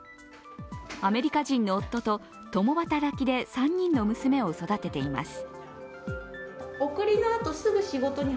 アメリカ人の夫と共働きで３人の娘を育てています。